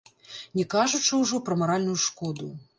Не кажучы ўжо пра маральную шкоду.